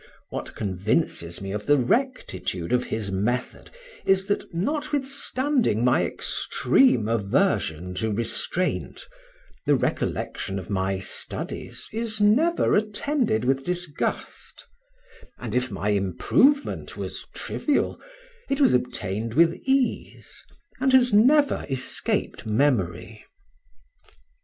What convinces me of the rectitude of his method is, that notwithstanding my extreme aversion to restraint, the recollection of my studies is never attended with disgust; and, if my improvement was trivial, it was obtained with ease, and has never escaped memory.